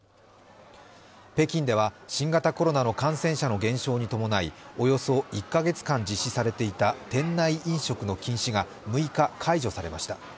北京では新型コロナの感染者の減少に伴いおよそ１カ月間、実施されていた店内飲食の禁止が６日、解除されました。